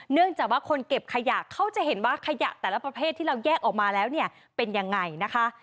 เนื่องจากว่าคนเก็บขยะเขาจะเห็นว่าขยะแต่ละประเภทที่เราแยกออกมาแล้วเนี่ยเป็นยังไงนะคะ